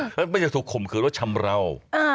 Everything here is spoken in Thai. อาจารย์ไม่ได้ถูกข่มขึ้นว่าชำราว